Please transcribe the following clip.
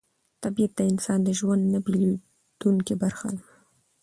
طبیعت د انسان د ژوند نه بېلېدونکې برخه ده